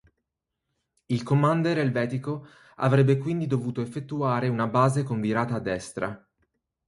Il Commander elvetico avrebbe quindi dovuto effettuare una base con virata a destra.